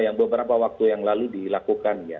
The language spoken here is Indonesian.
yang beberapa waktu yang lalu dilakukan ya